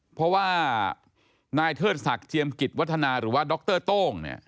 เพราะว่านายเทิดศักดิ์เจียมกิจวัฒนาหรือว่าดรโต้งเนี่ย